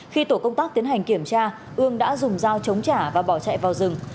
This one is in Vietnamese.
khi tổ công tác tiến hành kiểm tra ương đã dùng dao chống trả và bỏ chạy vào rừng